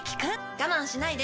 我慢しないで。